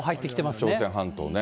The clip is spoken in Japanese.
朝鮮半島ね。